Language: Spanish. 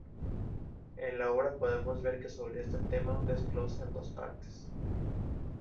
En la obra podemos ver que sobre este tema un desglose en dos partes.